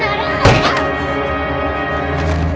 あっ！